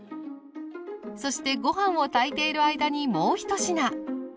そしてご飯を炊いている間にもう一品。